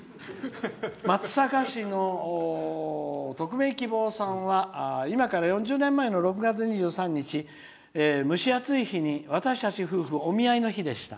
松阪市の匿名希望さんは「今から４０年前の６月２３日蒸し暑い日に私たち夫婦お見合いの日でした。